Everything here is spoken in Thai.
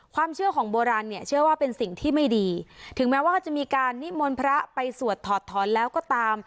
ความเชื่อของโบราณเนี่ยเชื่อว่าเป็นสิ่งที่ไม่ดีถึงแม้ว่าเขาจะมีการนิมนต์พระไปสวดถอดถอนแล้วก็ตาม